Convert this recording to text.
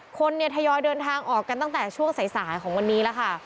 คนเนี่ยทยอยเดินทางออกกันตั้งแต่ช่วงสายของวันนี้แล้วค่ะ